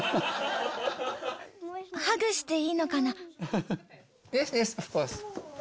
ハグしていいのかな？